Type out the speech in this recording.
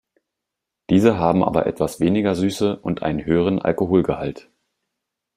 Diese haben aber etwas weniger Süße und einen höheren Alkoholgehalt.